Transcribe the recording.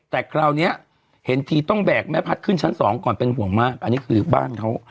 แต่คราวนี้เห็นทีต้องแบกแม่พัดขึ้นชั้นสองก่อนเป็นห่วงมากอันนี้คือบ้านเขา